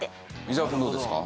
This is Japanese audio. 伊沢くんどうですか？